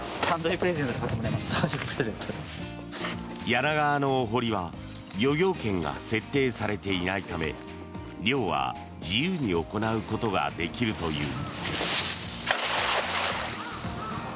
柳川のお濠は漁業権が設定されていないため漁は自由に行うことができるという。